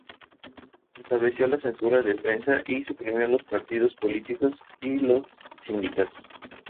Estableció la censura de prensa y suprimió los partidos políticos y los sindicatos.